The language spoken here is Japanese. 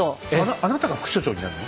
あなたが副所長になるの？